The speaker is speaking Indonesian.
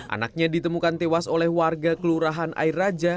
anaknya ditemukan tewas oleh warga kelurahan air raja